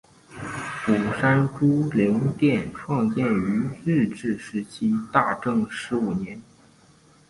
鼓山珠灵殿创建于日治时期大正十五年。